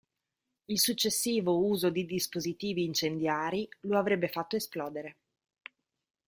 Il successivo uso di dispositivi incendiari lo avrebbe fatto esplodere.